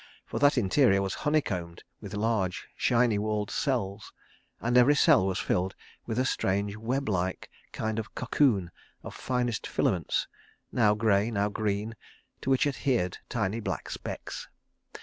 For that interior was honey combed with large, shiny walled cells, and every cell was filled with a strange web like kind of cocoon of finest filaments, now grey, now green, to which adhered tiny black specks.